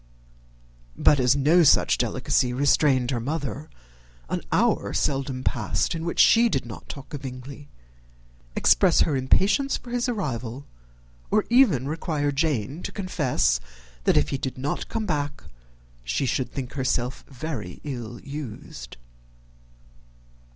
But as no such delicacy restrained her mother, an hour seldom passed in which she did not talk of Bingley, express her impatience for his arrival, or even require Jane to confess that if he did not come back she should think herself very ill used.